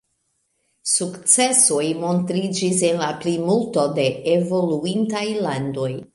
Sukcesoj montriĝis en la plimulto de evoluintaj landoj.